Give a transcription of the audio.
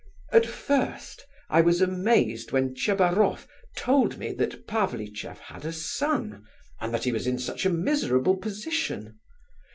At first I was amazed when Tchebaroff told me that Pavlicheff had a son, and that he was in such a miserable position.